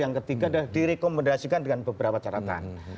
yang ketiga direkomendasikan dengan beberapa caratan